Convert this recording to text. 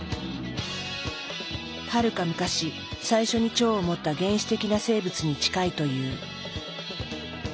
はるか昔最初に腸を持った原始的な生物に近いという。